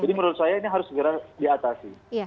jadi menurut saya ini harus segera diatasi